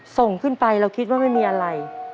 ส่งขึ้นไปเราคิดว่าไม่มีอะไร